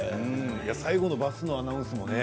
最後のバスのアナウンスもね